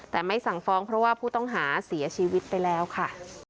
แต่ไม่สั่งฟ้องเพราะว่าผู้ต้องหาเสียชีวิตไปแล้วค่ะ